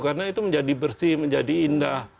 karena itu menjadi bersih menjadi indah